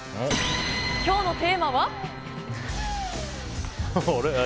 今日のテーマは。